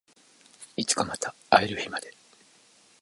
いつかまた会える日まで